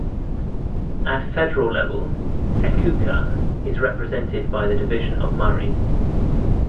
At federal level, Echuca is represented by the Division of Murray.